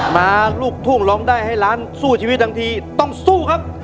ลูกทุ่งร้องได้ให้ล้านสู้ชีวิตทั้งทีต้องสู้ครับ